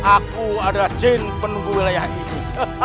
aku adalah jean penunggu wilayah ini